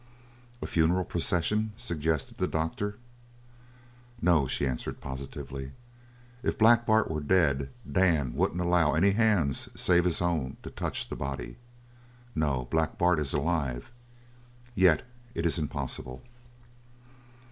"A funeral procession," suggested the doctor. "No," she answered positively. "If Black Bart were dead, Dan wouldn't allow any hands save his own to touch the body. No, Black Bart is alive! Yet, it's impossible."